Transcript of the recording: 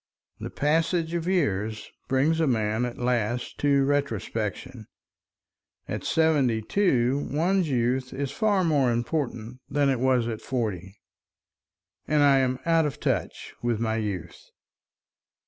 The passage of years brings a man at last to retrospection; at seventy two one's youth is far more important than it was at forty. And I am out of touch with my youth.